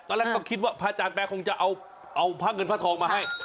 ตอนแรกก็คิดว่าพระอาจารย์แปลคงจะเอาพระเงินพระทองมาให้